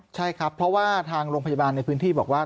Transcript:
ใช่ครับเพราะว่าทางโรงพยาบาลในพื้นที่บอกว่า